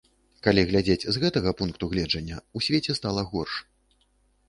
Калі глядзець з гэтага пункту гледжання, у свеце стала горш.